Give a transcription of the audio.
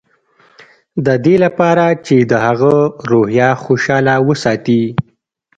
د دې لپاره چې د هغه روحيه خوشحاله وساتي.